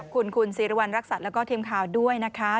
ขอบคุณสีรวรรณรักษัตริย์และก็เทมข่าวด้วยนะคะ